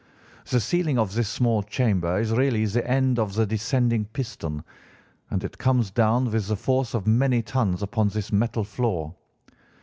The ceiling of this small chamber is really the end of the descending piston, and it comes down with the force of many tons upon this metal floor.